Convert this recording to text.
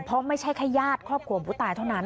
เพราะไม่ใช่แค่ญาติครอบครัวผู้ตายเท่านั้น